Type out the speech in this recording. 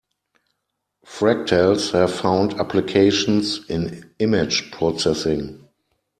Fractals have found applications in image processing.